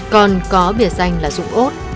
còn có biệt danh là dũng ốt